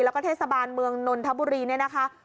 แล้วก็เทศบาลเมืองนนทบุรีเนี่ยนะคะ